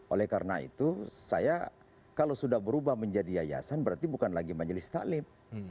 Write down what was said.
oleh karena itu saya kalau sudah berubah menjadi yayasan berarti bukan lagi majelis taklim